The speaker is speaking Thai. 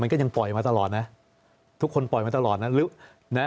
มันก็ยังปล่อยมาตลอดนะทุกคนปล่อยมาตลอดนะ